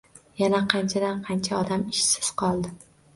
Yana qanchadan-qancha odam ishsiz qoldi.